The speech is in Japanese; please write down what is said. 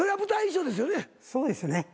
そうですね。